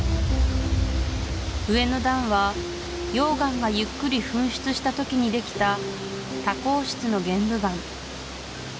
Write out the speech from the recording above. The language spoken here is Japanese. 上の段は溶岩がゆっくり噴出した時にできた多孔質の玄武岩